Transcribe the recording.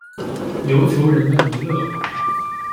琉球人的弥勒。